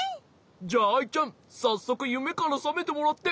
じゃあアイちゃんさっそくゆめからさめてもらって。